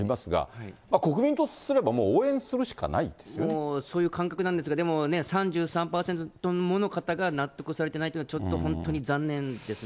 もう、そういう感覚なんですが、でも、３３％もの方が納得されてないというのはちょっと本当に残念です